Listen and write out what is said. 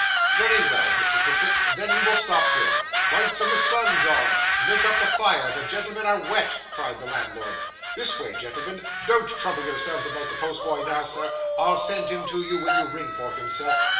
'Very well,' said Mr. Pickwick, 'then we will stop here.' 'Lights in the Sun, John; make up the fire; the gentlemen are wet!' cried the landlord. 'This way, gentlemen; don't trouble yourselves about the postboy now, sir. I'll send him to you when you ring for him, sir.